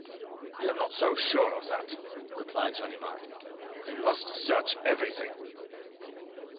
"I am not so sure of that," replied Ganimard. "I must search everything."